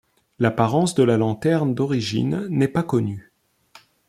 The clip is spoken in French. L'apparence de la lanterne d'origine n'est pas connue.